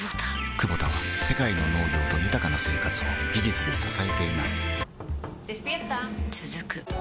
クボタは世界の農業と豊かな生活を技術で支えています起きて。